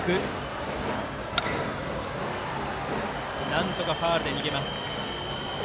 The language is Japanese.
なんとかファウルで逃げます。